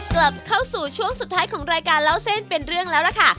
กลับเข้าสู่ช่วงสุดท้ายของรายการเล่าเส้นเป็นเรื่องแล้วล่ะค่ะ